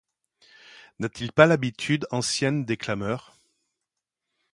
N'a-t-il pas l'habitude ancienne des clameurs ?